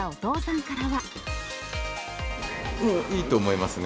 いいと思いますね。